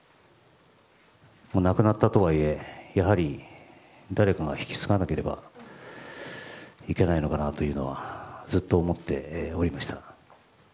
亡くなったとはいえやはり誰かが引き継がなければいけないのかなとはずっと思っておりました。